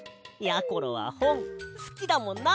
やころはほんすきだもんな。